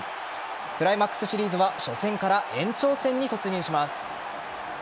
クライマックスシリーズは初戦から延長戦に突入します。